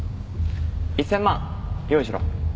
１０００万用意しろ。